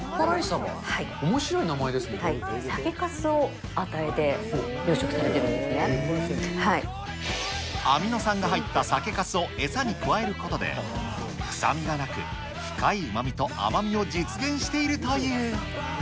おもしろい酒かすを与えて養殖されてるアミノ酸が入った酒かすを餌に加えることで、臭みがなく、深いうまみと甘みを実現しているという。